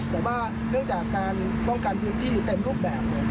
แต่ว่าเนื่องจากการป้องกันพื้นที่เต็มรูปแบบ